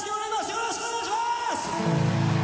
よろしくお願いします。